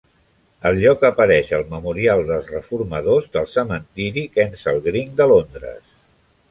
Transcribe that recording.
El lloc apareix al Memorial dels Reformadors del Cementiri Kensal Green de Londres.